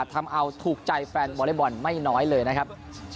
ทำเอาถูกใจแฟนวอเล็กบอลไม่น้อยเลยนะครับ